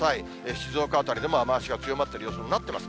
静岡辺りでも雨足が強まっている予想になっています。